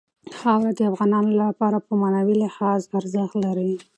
خاوره د افغانانو لپاره په معنوي لحاظ ارزښت لري.